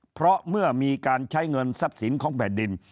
เพราะเมื่อมีการใช้เงินทรัพย์สินของแผ่นดิน